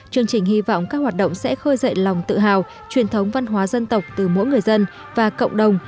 chương trình hy vọng các hoạt động sẽ khơi dậy lòng tự hào truyền thống văn hóa dân tộc từ mỗi người dân và cộng đồng